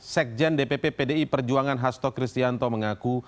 sekjen dpp pdi perjuangan hasto kristianto mengaku